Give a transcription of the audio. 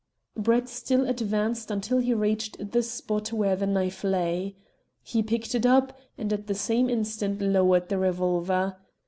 Brett still advanced until he reached the spot where the knife lay. He picked it up, and at the same instant lowered the revolver.